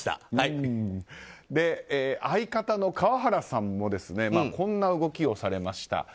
相方の川原さんもこんな動きをされました。